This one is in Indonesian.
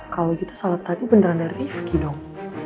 kalau gitu salat tadi beneran dari rizky dong